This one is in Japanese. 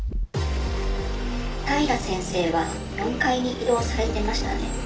平先生は４階に移動されてましたね。